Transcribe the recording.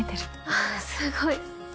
あっすごい。